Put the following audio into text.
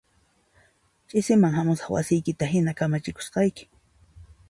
Ch'isiman hamusaq wasiykita hina kamachikusayki